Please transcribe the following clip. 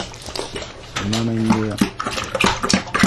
Унан инде...